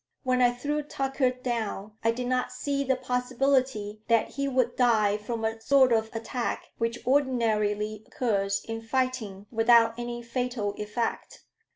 When I threw Tucker down, I did not see the possibility that he would die from a sort of attack which ordinarily occurs in fighting without any fatal effect.